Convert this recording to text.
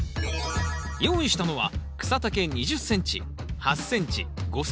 用意したのは草丈２０ｃｍ８ｃｍ５ｃｍの３種類です。